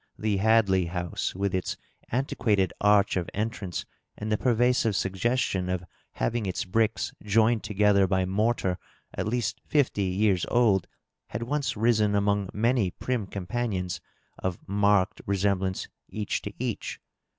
The Hadley house, with its antiquated arch of entrance and the pervasive suggestion of having its bricks joined together by mortar at least fifty years old, had once risen among many prim companions, of marked re semblance each to each.